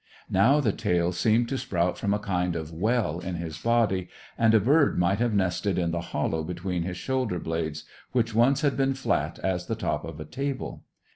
Now the tail seemed to sprout from a kind of well in his body, and a bird might have nested in the hollow between his shoulder blades, which once had been flat as the top of a table.